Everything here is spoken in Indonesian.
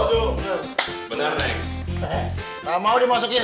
ga mau dimasukin